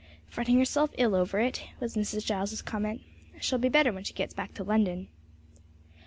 'Fretting herself ill over it,' was Mrs. Giles's comment; 'she'll be better when she gets back to London.'